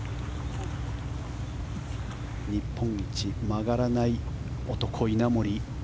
日本一曲がらない男、稲森。